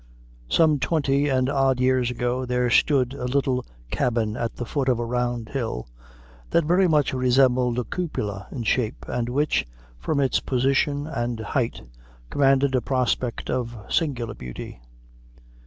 Some twenty and odd years ago there stood a little cabin at the foot of a round hill, that very much resembled a cupola in shape, and which, from its position and height, commanded a prospect of singular beauty.